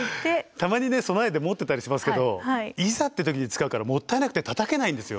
たまにね備えで持ってたりしますけどいざっていう時に使うからもったいなくてたたけないんですよ。